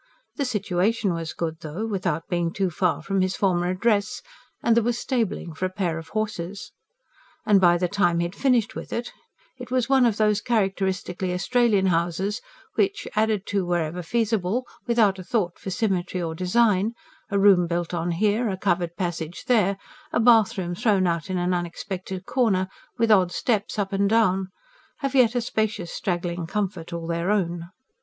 The situation was good though without being too far from his former address and there was stabling for a pair of horses. And by the time he had finished with it, it was one of those characteristically Australian houses which, added to wherever feasible, without a thought for symmetry or design a room built on here, a covered passage there, a bathroom thrown out in an unexpected corner, with odd steps up and down have yet a spacious, straggling comfort all their own.